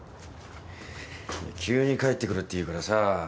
急に帰ってくるって言うからさ